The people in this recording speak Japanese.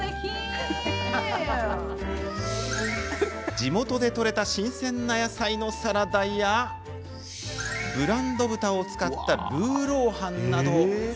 地元で採れた新鮮な野菜のサラダやブランド豚を使ったルーロー飯など。